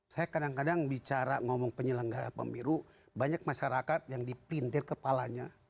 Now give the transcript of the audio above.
saya kadang kadang bicara ngomong penyelenggara pemilu banyak masyarakat yang dipintir kepalanya